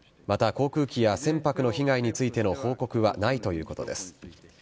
また、航空機や船舶の被害についての報告はないということです。